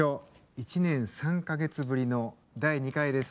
１年３か月ぶりの第２回です。